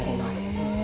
へえ。